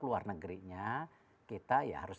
luar negerinya kita ya harus